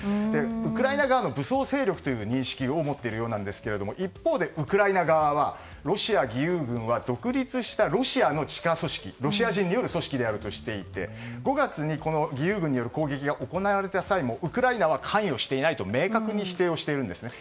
ウクライナ側の武装勢力という認識を持っているようですが一方でウクライナ側はロシア義勇軍は独立した、ロシアの地下組織であるとしていて５月に義勇軍による攻撃が行われた際もウクライナは関与していないと明確に否定しているんです。